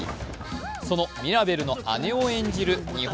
そのミラベルの姉を演じる日本